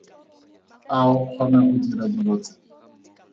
A o kgona go dira dilo tse?